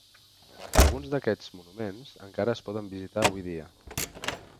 Alguns d'aquests monuments encara es poden visitar avui dia.